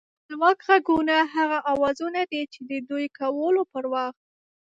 خپلواک غږونه هغه اوازونه دي چې د دوی کولو پر وخت